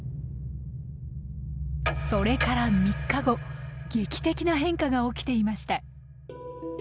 それから３日後劇的な変化が起きていました。